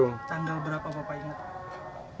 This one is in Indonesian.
tanggal berapa bapak ingat